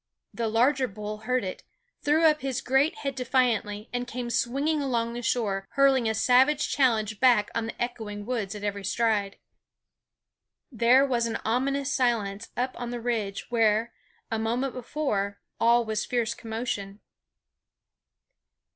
The larger bull heard it, threw up his great head defiantly, and came swinging along the shore, hurling a savage challenge back on the echoing woods at every stride. There was an ominous silence up on the ridge where, a moment before, all was fierce commotion.